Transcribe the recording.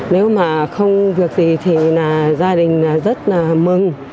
trong việc gì thì là gia đình rất là mừng